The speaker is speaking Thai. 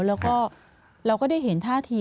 แล้วก็เราก็ได้เห็นท่าที